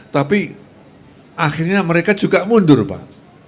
tapi akhirnya mereka juga mundur pak